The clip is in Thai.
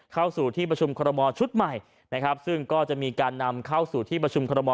เข้าสู่ที่ประชุมคอรมอลชุดใหม่นะครับซึ่งก็จะมีการนำเข้าสู่ที่ประชุมคอรมอ